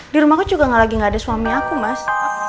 di rumahku juga gak lagi gak ada suami aku mas